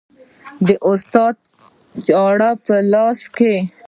د استاد چاړه په لاس کې